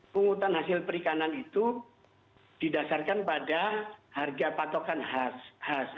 penghutang hasil perikanan itu didasarkan pada harga patokan harga